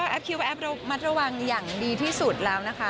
แอปคิวแอประมัดระวังอย่างดีที่สุดแล้วนะคะ